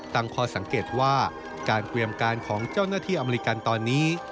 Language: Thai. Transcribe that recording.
ตั้งข้อสังเกตว่าการเตรียมการของเจ้าหน้าที่อเมริกันตอนนี้